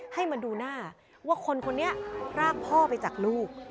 ให้มาดูหน้าว่าคนคนนี้รากพ่อไปจากลูก